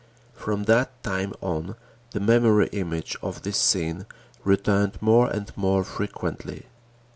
From that time on, the memory image of this scene returned more and more frequently.